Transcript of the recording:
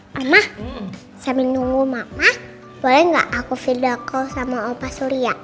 mama sambil nunggu mama boleh nggak aku video call sama opa surya